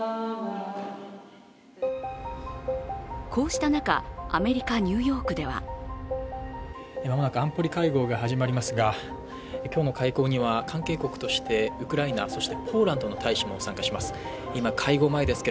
こうした中、アメリカ・ニューヨークではまもなく安保理会合が始まりますが今日の会合には関係国としてウクライナ、そしてポーランドの大使も参加します。